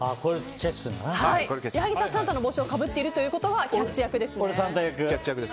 矢作さんがサンタの帽子をかぶっているということは俺、キャッチ役。